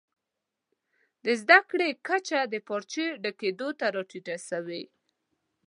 د زده کړي کچه د پارچې ډکېدو ته راټیټه سوې.